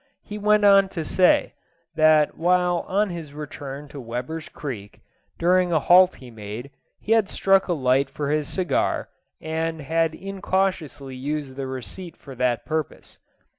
He went on to say, that while on his return to Weber's Creek, during a halt he made, he had struck a light for his cigar, and had incautiously used the receipt for that purpose.